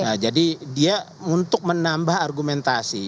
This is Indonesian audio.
ya jadi dia untuk menambah argumentasi